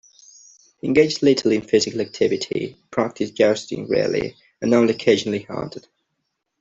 He engaged little in physical activity, practised jousting rarely, and only occasionally hunted.